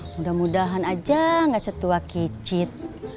mudah mudahan aja gak setua kicit